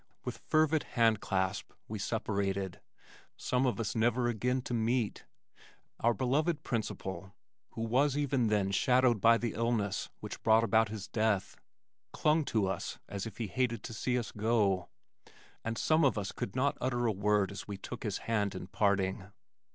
With fervid hand clasp we separated, some of us never again to meet. Our beloved principal (who was even then shadowed by the illness which brought about his death) clung to us as if he hated to see us go, and some of us could not utter a word as we took his hand in parting.